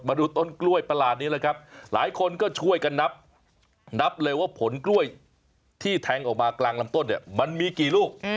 มาดูต้นกล้วยประหลาดนี้เลยครับหลายคนก็ช่วยกันนับเลยว่าผลกล้วยที่แทงออกมากลางลำต้นเนี่ยมันมีกี่ลูก